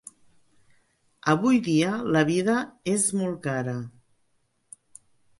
Avui dia la vida és molt cara.